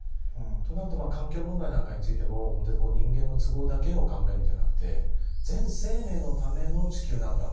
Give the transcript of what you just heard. となるとまあ環境問題なんかについても本当に人間の都合だけを考えるんじゃなくて全生命のための地球なんだ。